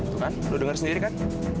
tuh kan udah dengar sendiri kan